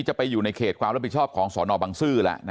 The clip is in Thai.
จะไปอยู่ในเขตความรับผิดชอบของสนบังซื้อแล้ว